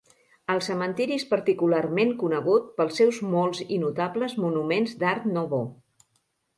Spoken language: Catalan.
El cementiri és particularment conegut pels seus molts i notables monuments d'Art Nouveau.